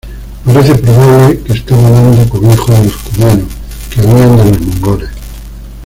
Parece probable que estaba dando cobijo a los cumanos que huían de los mongoles.